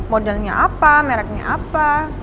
modelnya apa mereknya apa